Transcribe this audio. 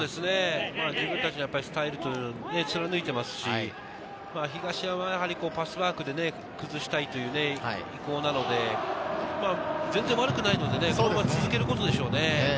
自分たちのスタイルを貫いていますし、東山はパスワークで崩したいという意向なので、全然悪くないので、このまま続けることでしょうね。